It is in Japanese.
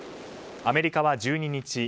アメリカは１２日